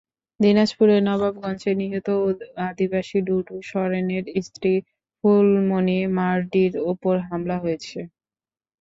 দিনাজপুরের নবাবগঞ্জে নিহত আদিবাসী ঢুডু সরেনের স্ত্রী ফুলমনি মার্ডির ওপর হামলা হয়েছে।